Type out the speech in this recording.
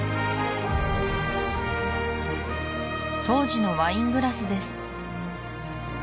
当時のワイングラスです